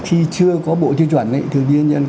khi chưa có bộ tiêu chuẩn thì bây giờ